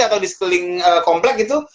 atau di sekeliling komplek gitu